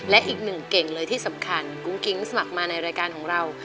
และอีกหนึ่งเก่งเลยที่สำคัญกุ้งกิ๊งสมัครมาในรายการของเรา